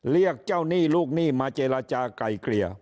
เรียกเจ้าหนี้ลูกหนี้มาเจรจากลายเกลี่ย